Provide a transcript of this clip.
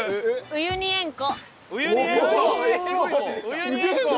ウユニ塩湖。